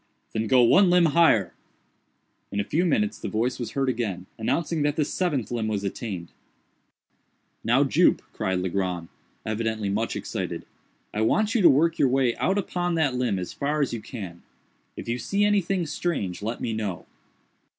"Then go one limb higher." In a few minutes the voice was heard again, announcing that the seventh limb was attained. "Now, Jup," cried Legrand, evidently much excited, "I want you to work your way out upon that limb as far as you can. If you see anything strange, let me know."